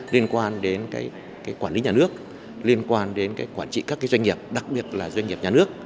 liên quan đến quản lý nhà nước liên quan đến quản trị các doanh nghiệp đặc biệt là doanh nghiệp nhà nước